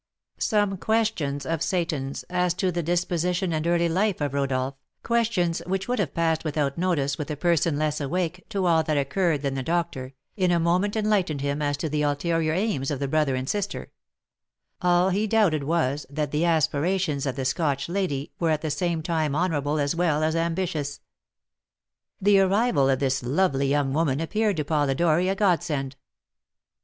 Some questions of Seyton's as to the disposition and early life of Rodolph, questions which would have passed without notice with a person less awake to all that occurred than the doctor, in a moment enlightened him as to the ulterior aims of the brother and sister; all he doubted was, that the aspirations of the Scotch lady were at the same time honourable as well as ambitious. The arrival of this lovely young woman appeared to Polidori a godsend.